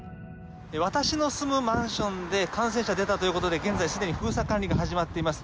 私の住むマンションで感染者が出たということで現在すでに封鎖管理が始まっています。